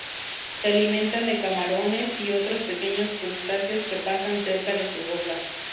Se alimenta de camarones y otros pequeños crustáceos que pasan cerca de su boca.